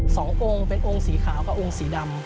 สององค์เป็นองค์สีขาวกับองค์สีดำ